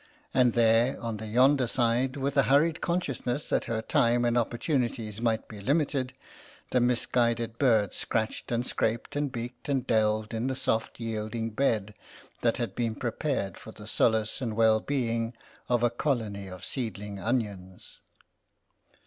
And there, on the yonder side, with a hurried consciousness that her time and opportunities might be limited, the misguided bird scratched and scraped and beaked and delved in the soft yielding bed that had been prepared for the solace and well being of a colony of seed BLOOD FEUD OF TOAD WATER 33 ling onions.